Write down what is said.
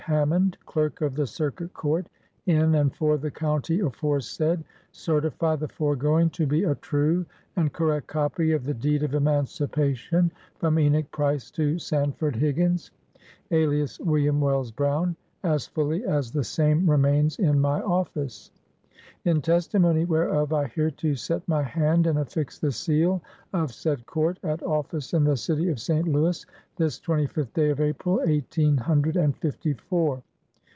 Hammond, Clerk of the Circuit Court in and for the county aforesaid, certify the foregoing to be a true and correct copy of the Deed of Emancipa tion from Enoch Price to Sanford Higgins, {alias Wm. 98 BIOGRAPHY OF Wells Brown,) as fully as the same remains in my office. " In testimony whereof, I hereto set my hand and affix the seal of said Court, at office in the city of St. Louis, this 25th day of April, eighteen hundred and fifty four.